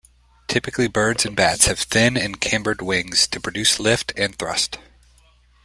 Typically birds and bats have thin and cambered wings to produce lift and thrust.